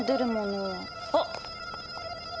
あっ！